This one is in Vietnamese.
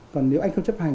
còn nếu anh không chấp hành